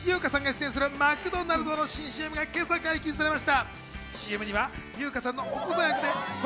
優香さんが出演するマクドナルドの新ＣＭが今朝解禁されました。